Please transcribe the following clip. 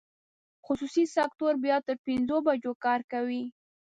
خصوصي سکټور بیا تر پنځو بجو کار کوي.